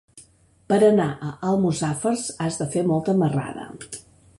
Per anar a Almussafes has de fer molta marrada.